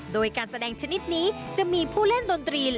โดยการแสดงชนิดนี้จะมีผู้เล่นดนตรี